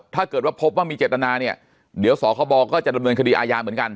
ถ้าเกิดว่าพบว่ามีเจตนาเนี่ยเดี๋ยวสคบก็จะดำเนินคดีอาญาเหมือนกัน